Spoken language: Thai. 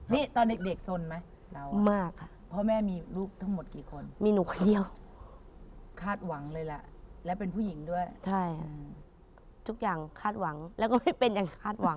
นี่ตอนเด็กสนไหมเรามากค่ะเพราะแม่มีลูกทั้งหมดกี่คนมีหนูคนเดียวคาดหวังเลยล่ะและเป็นผู้หญิงด้วยใช่ค่ะทุกอย่างคาดหวังแล้วก็ไม่เป็นอย่างคาดหวัง